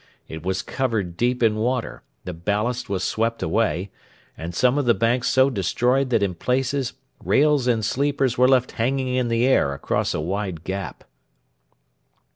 It was covered deep in water, the ballast was swept away, and some of the banks so destroyed that in places rails and sleepers were left hanging in the air across a wide gap.'